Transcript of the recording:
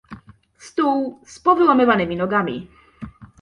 Stół z powyłamywanymi nogami.